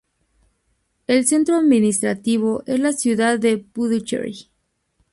El centro administrativo es la ciudad de Puducherry.